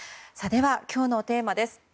今日のテーマです。